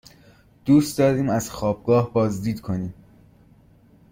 دوست داریم از خوابگاه بازدید کنیم.